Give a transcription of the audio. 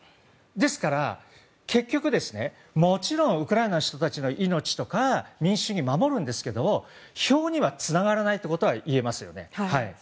ですから結局もちろんウクライナの人たちの命とか民主主義守るんですけれども票にはつながらないといえます。